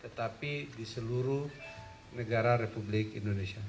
tetapi di seluruh negara republik indonesia